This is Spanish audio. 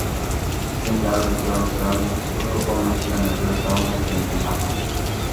Saint-Laurent-sur-Saône ocupa una isla en el río Saona frente a Mâcon.